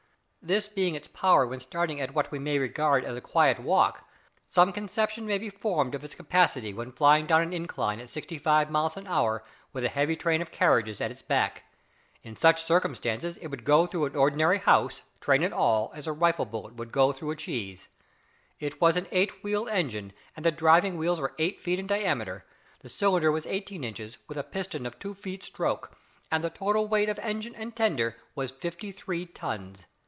This being its power when starting at what we may regard as a quiet walk, some conception may be formed of its capacity when flying down an incline at sixty five miles an hour with a heavy train of carriages at its back. In such circumstances it would go through an ordinary house, train and all, as a rifle bullet would go through a cheese. It was an eight wheeled engine, and the driving wheels were eight feet in diameter. The cylinder was eighteen inches, with a piston of two feet stroke, and the total weight of engine and tender was fifty three tons.